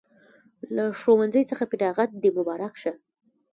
له ښوونځي څخه فراغت د مبارک شه